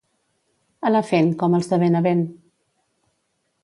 Anar fent, com els de Benavent.